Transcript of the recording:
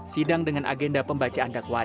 sidang dengan agenda pembacaan dan penyelidikan